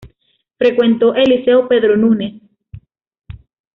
Frecuentó el Liceo Pedro Nunes.